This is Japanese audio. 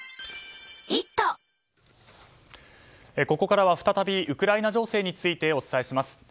ここからは再びウクライナ情勢についてお伝えします。